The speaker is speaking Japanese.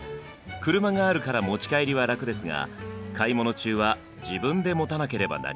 車があるから持ち帰りは楽ですが買い物中は自分で持たなければなりません。